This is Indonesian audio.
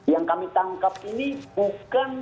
yang kami tangkap ini bukan